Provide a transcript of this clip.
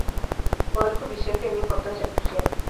Poder judicial: tenía importancia crucial.